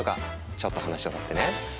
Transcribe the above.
ちょっと話をさせてね。